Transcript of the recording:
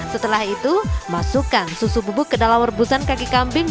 setelah itu masukkan susu bubuk ke dalam rebusan kaki kambing